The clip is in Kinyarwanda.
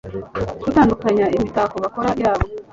Gutandukanya imitako bakora yabo